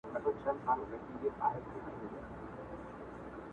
د ماتو شونډو په سرونو راشي